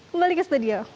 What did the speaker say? kembali ke studio